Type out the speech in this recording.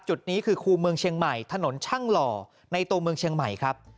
จุดนี้คือคู่เมืองเชียงใหม่ถนนช่างหล่อในตัวเมืองเชียงใหม่ครับ